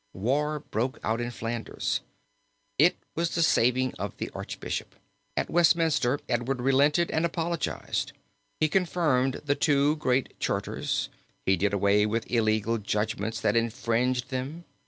War broke out in Flanders. It was the saving of the archbishop. At Westminster Edward relented and apologized. He confirmed the two great charters; he did away with illegal judgments that infringed them.